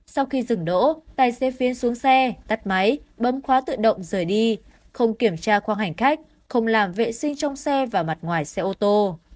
sau khi dừng đỗ tài xế phiến xuống xe tắt máy bấm khóa tự động rời đi không kiểm tra khoang hành khách không làm vệ sinh trong xe và mặt ngoài xe ô tô